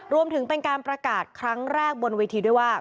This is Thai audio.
รวมถึงเป็นการประกาศครั้งแรกบนเวทีด้วยว่า